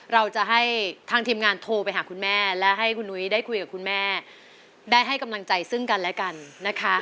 เราจะให้ทางทีมงานโทรไปหาคุณแม่และให้คุณนุ้ยได้คุยกับคุณแม่ได้ให้กำลังใจซึ่งกันและกันนะคะ